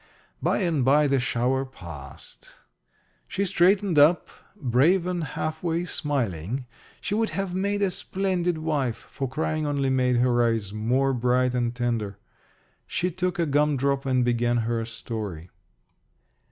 By and by the shower passed. She straightened up, brave and half way smiling. She would have made a splendid wife, for crying only made her eyes more bright and tender. She took a gum drop and began her story.